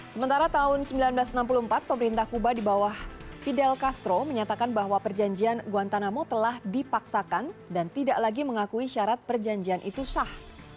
sementara tahun seribu sembilan ratus enam puluh empat pemerintah kuba di bawah fidel castro menyatakan bahwa perjanjian guantanamo telah dipaksakan dan tidak lagi mengakui syarat perjanjian itu sah